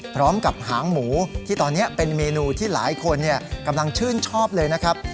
หางหมูที่ตอนนี้เป็นเมนูที่หลายคนกำลังชื่นชอบเลยนะครับ